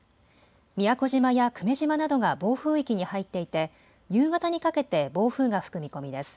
宮古島や久米島などが暴風域に入っていて夕方にかけて暴風が吹く見込みです。